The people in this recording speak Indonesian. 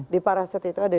di paraset itu ada dua